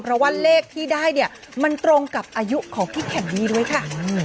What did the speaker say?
เพราะว่าเลขที่ได้เนี่ยมันตรงกับอายุของพี่แคนดี้ด้วยค่ะ